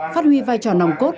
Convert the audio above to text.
phát huy vai trò nòng cốt